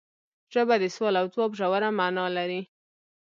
ژبه د سوال او ځواب ژوره معنی لري